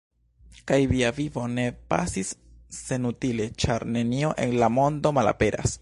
Kaj via vivo ne pasis senutile, ĉar nenio en la mondo malaperas.